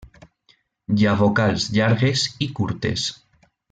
Hi ha vocals llargues i curtes.